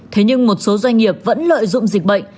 thế nhưng một số doanh nghiệp vẫn lợi dụng dịch bệnh